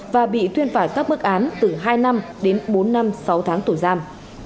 và bị tuyên phạt các bức án từ hai năm đến bốn năm sáu tháng tù giam